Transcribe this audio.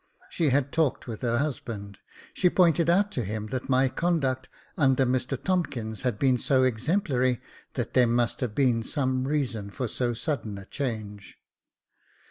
She had talked with her husband ; she pointed out to him that my conduct under Mr Tomkins had been so exemplary that there must have been some reason for so sudden a change.